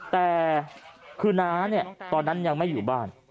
แต่คือน้าเนี่ยตอนนั้นยังไม่อยู่บ้าน